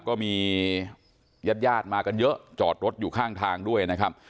ก็มีญาติญาติมากันเยอะจอดรถอยู่ข้างทางด้วยนะครับ